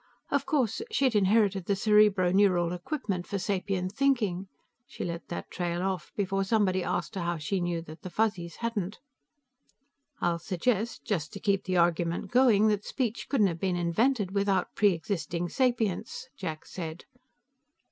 "Of course, she had inherited the cerebroneural equipment for sapient thinking." She let that trail off, before somebody asked her how she knew that the Fuzzies hadn't. "I'll suggest, just to keep the argument going, that speech couldn't have been invented without pre existing sapience," Jack said.